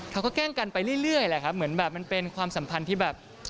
แกล้งกันไปเรื่อยแหละครับเหมือนแบบมันเป็นความสัมพันธ์ที่แบบ